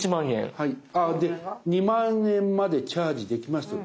で「２０，０００円までチャージできます」と。